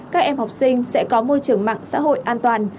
các em học sinh sẽ có môi trường mạng xã hội an toàn